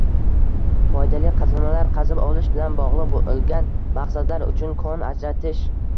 Foydali qazilmalar qazib olish bilan bog’liq bo’lgan maqsadlar uchun kon ajratish